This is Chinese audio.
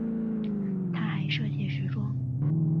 她还设计时装。